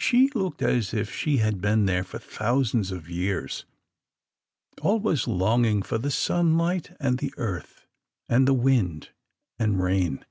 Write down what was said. She looked as if she had been there for thousands of years, always longing for the sunlight and the earth, and the wind and rain.